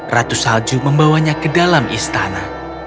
ratu salju membawanya ke dalam istana